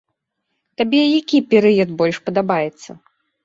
Табе які перыяд больш падабаецца?